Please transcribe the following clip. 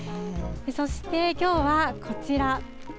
そしてきょうは、こちら。